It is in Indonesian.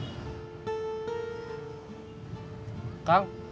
seperti di jalan tol menjelang lebarat